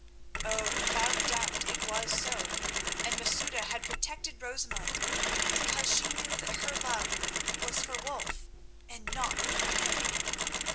Oh, without doubt it was so, and Masouda had protected Rosamund because she knew that her love was for Wulf and not for him.